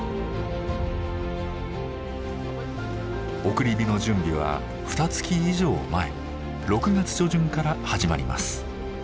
送り火の準備はふたつき以上前６月初旬から始まります。